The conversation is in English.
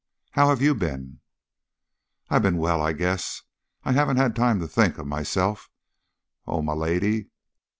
How have you been?" "I've been well I guess I have I haven't had time to think of myself. Oh, my Lady!"